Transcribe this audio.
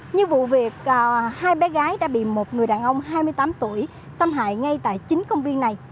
như vụ việc hai bé gái đã bị một người đàn ông hai mươi tám tuổi xâm hại ngay tại chính công viên này